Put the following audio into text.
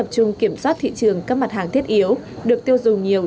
các mặt hàng thiết yếu được tiêu dùng nhiều